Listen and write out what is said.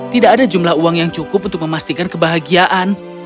tidak ada jumlah uang yang cukup untuk memastikan kebahagiaan